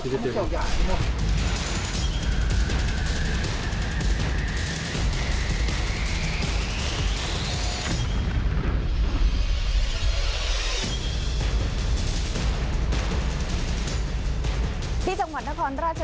อันดับที่สุดท้าย